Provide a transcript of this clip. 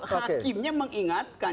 karena itu hakimnya mengingatkan